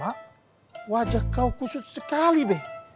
alah mak wajah kau kusut sekali be